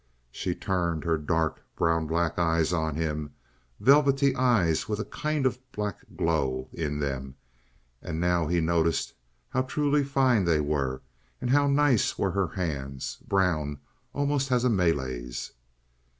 She turned her dark, brown black eyes on him—velvety eyes with a kind of black glow in them—and now he noticed how truly fine they were, and how nice were her hands—brown almost as a Malay's.